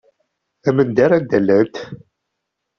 Amendeṛ anda llant.